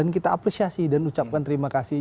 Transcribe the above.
kita apresiasi dan ucapkan terima kasih